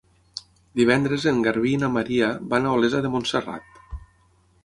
Divendres en Garbí i na Maria van a Olesa de Montserrat.